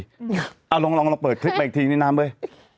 เอาลองเปิดคลิปมาอีกทีนี่น้ำเว้ย